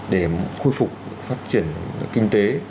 để khôi phục phát triển kinh tế